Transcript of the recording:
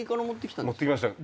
持ってきました